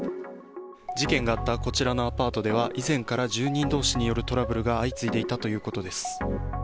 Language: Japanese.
事件があったこちらのアパートでは、以前から住人どうしによるトラブルが相次いでいたということです。